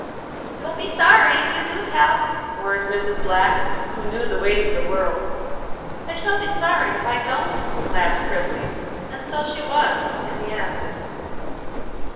"You'll be sorry if you do tell," warned Mrs. Black, who knew the ways of the world. "I shall be sorry if I don't," laughed Christie, and so she was, in the end.